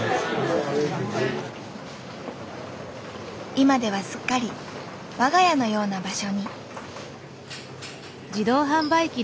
今ではすっかり我が家のような場所に。